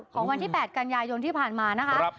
วันที่๘กันยายนที่ผ่านมานะคะ